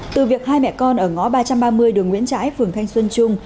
từ việc hai mẹ con ở ngõ ba trăm ba mươi đường nguyễn trãi phường thanh xuân trung